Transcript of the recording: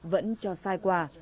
vẫn cho sai quả